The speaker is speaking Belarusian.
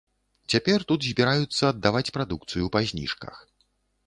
Цяпер тут збіраюцца аддаваць прадукцыю па зніжках.